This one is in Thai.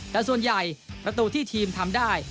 แต่ส่วนใหญ่ประตูที่ทีมทำได้